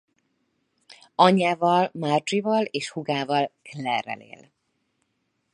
Anyjával Margie-val és hugával Claire-vel él.